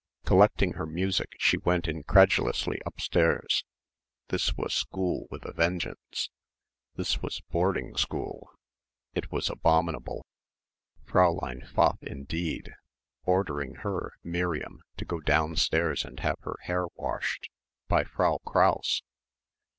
Collecting her music she went incredulously upstairs. This was school with a vengeance. This was boarding school. It was abominable. Fräulein Pfaff indeed! Ordering her, Miriam, to go downstairs and have her hair washed ... by Frau Krause